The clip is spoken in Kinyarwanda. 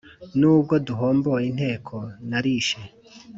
N’ubwo duhomboye inteko nalishe.